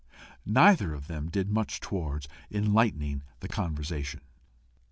Neither of them did much towards enlivening the conversation.